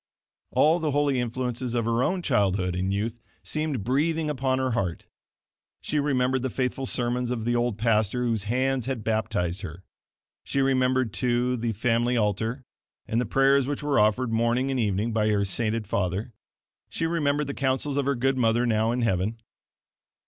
All the holy influences of her own childhood and youth seemed breathing upon her heart. She remembered the faithful sermons of the old pastor whose hands had baptized her. She remembered, too, the family altar, and the prayers which were offered morning and evening by her sainted father. She remembered the counsels of her good mother now in heaven.